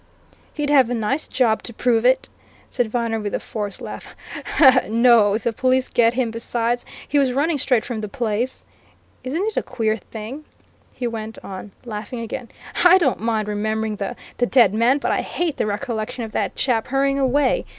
"He'd have a nice job to prove it!" said Viner with a forced laugh. "No, if the police get him besides, he was running straight from the place! Isn't it a queer thing?" he went on, laughing again. "I don't mind remembering the the dead man, but I hate the recollection of that chap hurrying away!